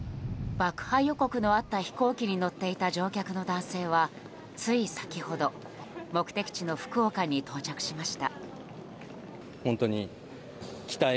爆破予告のあった飛行機に乗っていた男性はつい先ほど目的地の福岡に到着しました。